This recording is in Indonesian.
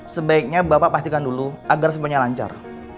sebaiknya bapak pastikan dulu agar semuanya lancar